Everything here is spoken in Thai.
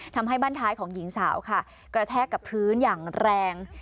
ทำให้บ้านท้ายของหญิงสาวค่ะกระแทกกับพื้นอย่างแรง